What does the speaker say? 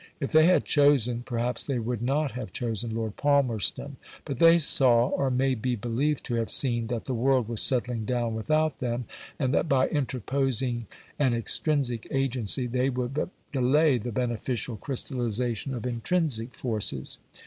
If they had chosen, perhaps they would not have chosen Lord Palmerston. But they saw, or may be believed to have seen, that the world was settling down without them, and that by interposing an extrinsic agency, they would but delay the beneficial crystallisation of intrinsic forces.